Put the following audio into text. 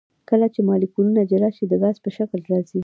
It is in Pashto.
کله چې مالیکولونه جلا شي د ګاز په شکل راځي.